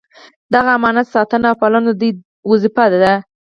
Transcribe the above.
د دغه امانت ساتنه او پالنه د دوی دنده ده.